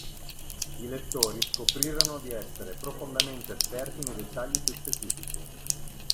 I lettori scoprirono di essere profondamente esperti nei dettagli più specifici.